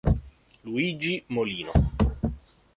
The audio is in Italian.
Luigi Molino